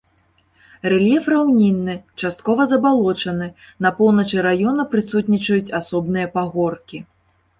Рэльеф раўнінны, часткова забалочаны, на поўначы раёна прысутнічаюць асобныя пагоркі.